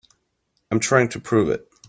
I'm trying to prove it.